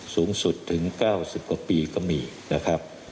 สูงสุดถึง๙๐กว่าปีก็มีนะครับ